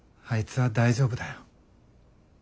あいつは大丈夫だよ。